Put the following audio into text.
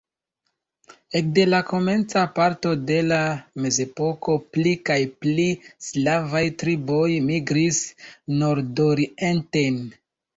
Ekde la komenca parto de la mezepoko pli kaj pli slavaj triboj migris nordorienten.